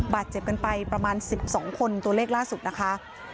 บาดเจ็บกันไปประมาณ๑๒คนตัวเลขล่าสุดนะคะ